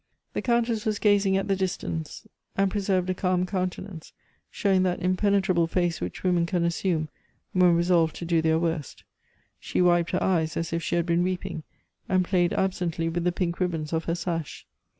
The Countess was gazing at the distance, and preserved a calm countenance, showing that impenetrable face which women can assume when resolved to do their worst. She wiped her eyes as if she had been weeping, and played absently with the pink ribbons of her sash.